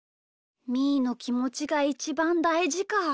みーのきもちがいちばんだいじか。